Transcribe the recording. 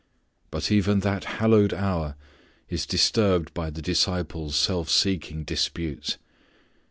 But even that hallowed hour is disturbed by the disciples' self seeking disputes.